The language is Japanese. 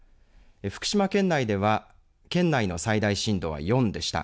福島県内では県内の最大震度は４でした。